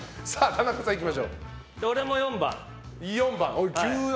俺も４番。